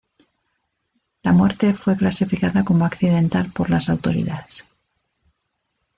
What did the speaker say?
La muerte fue clasificada como accidental por las autoridades.